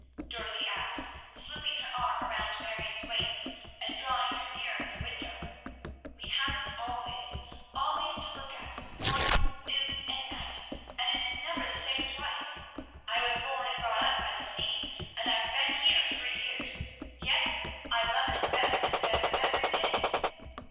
Dorothy asked, slipping her arm around Marion's waist, and drawing her nearer the window; "we have it always always to look at, morning, noon, and night, and it is never the same twice. I was born and brought up by the sea, and I've been here three years, yet I love it better and better every day."